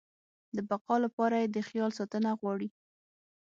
د بقا لپاره يې د خیال ساتنه غواړي.